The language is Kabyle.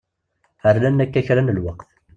Rnan akka kra n lweqt.